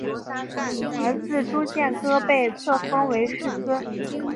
儿子朱健杙被册封为世孙。